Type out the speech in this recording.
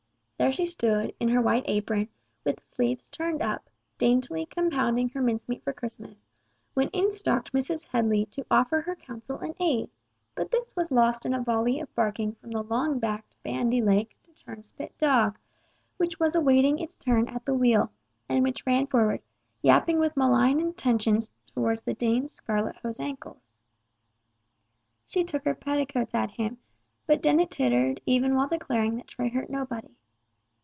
There she stood, in her white apron, with sleeves turned up, daintily compounding her mincemeat for Christmas, when in stalked Mrs. Headley to offer her counsel and aid—but this was lost in a volley of barking from the long backed, bandy legged, turnspit dog, which was awaiting its turn at the wheel, and which ran forward, yapping with malign intentions towards the dame's scarlet hosed ankles. She shook her petticoats at him, but Dennet tittered even while declaring that Tray hurt nobody.